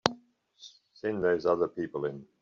Send those other people in.